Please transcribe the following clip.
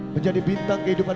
menjadi bintang kehidupan